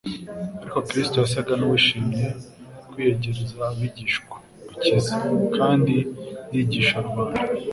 Ariko Yesu yasaga n'uwishimiye kwiyegereza abigishwa akiza kandi yigisha rubanda.